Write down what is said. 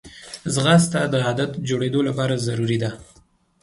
ځغاسته د عادت جوړېدو لپاره ضروري ده